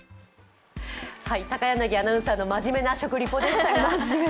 高柳アナウンサーの真面目な食リポでしたが。